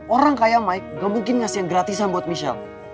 orang kayak mike gak mungkin ngasih yang gratisan buat michelle